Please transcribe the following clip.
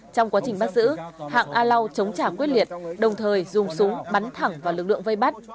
trong quá trình bắt giữ hạng a lau chống trả quyết liệt đồng thời dùng súng bắn thẳng vào lực lượng vây bắt